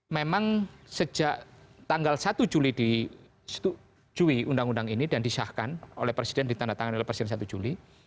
memang sejak tanggal satu juli di jui undang undang ini dan disahkan oleh presiden ditandatangani oleh presiden satu juli